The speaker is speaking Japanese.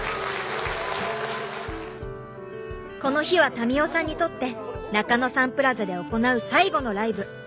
この日は民生さんにとって中野サンプラザで行う最後のライブ。